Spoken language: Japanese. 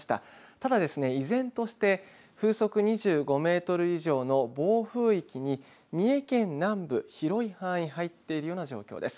ただですね、依然として風速２５メートル以上の暴風域に三重県南部、広い範囲入っているような状況です。